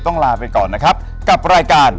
วันนี้ไปกันก่อนนะครับกับรายการ